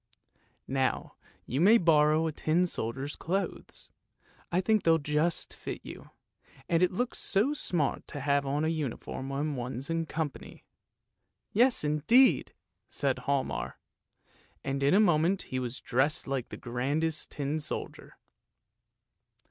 " Now you may borrow the tin soldier's clothes; I think they'll just fit you, and it looks so smart to have on a uniform when one's in company." "Yes indeed!" said Hialmar, and in a moment he was dressed like the grandest tin soldier.